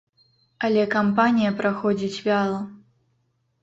Але кампанія праходзіць вяла.